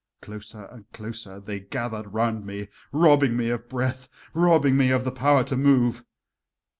Closer and closer they gathered around me, robbing me of breath, robbing me of the power to move.